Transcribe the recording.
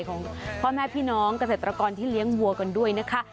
ของพ่อแม่พี่น้องเกษตรกรที่เลี้ยงวัวกันด้วยนะคะ